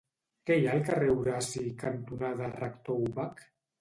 Què hi ha al carrer Horaci cantonada Rector Ubach?